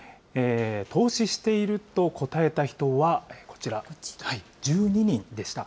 投資していると答えた人は、こちら、１２人でした。